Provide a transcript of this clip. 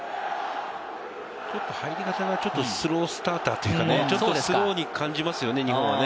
ちょっと入り方がスロースターターというか、スローに感じますよね、日本はね。